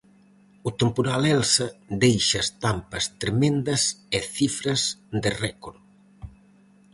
O temporal Elsa deixa estampas tremendas e cifras de récord.